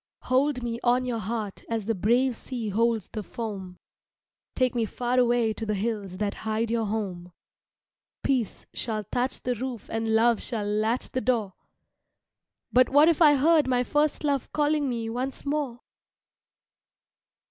Hold me on your heart as the brave sea holds the foam, Take me far away to the hills that hide your home; Peace shall thatch the roof and love shall latch the door BUT WHAT IF I HEARD MY FIRST LOVE CALLING ME ONCE MORE?